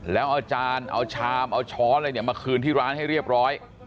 แล้วอาจารย์เอาชามเอาช้อนอะไรเนี่ยมาคืนที่ร้านให้เรียบร้อย